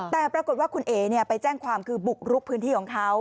แต่ปรากฏว่าคุณเอ๋ไปแจ้งความคือบุกรุกพื้นที่ของเขา